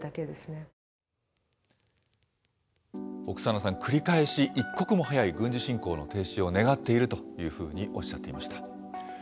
オクサーナさん、繰り返し、一刻も早い軍事侵攻の停止を願っているというふうにおっしゃっていました。